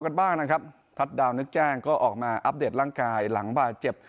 กันบ้างนะครับทัศน์นึกแจ้งก็ออกมาอัปเดตร่างกายหลังบาดเจ็บ